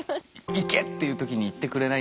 「いけ！」っていう時にいってくれないんだろう。